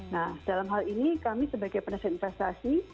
nah dalam hal ini kami sebagai penasihat investasi